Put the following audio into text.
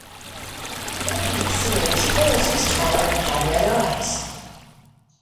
Early in the series, Boris was taller and had red eyes.